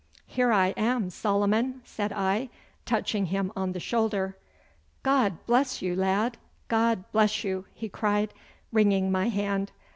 'Here I am, Solomon,' said I, touching him on the shoulder. 'God bless you, lad! God bless you!' he cried, wringing my hand.